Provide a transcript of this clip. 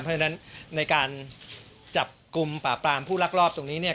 เพราะฉะนั้นในการจับกลุ่มปราบปรามผู้ลักลอบตรงนี้เนี่ย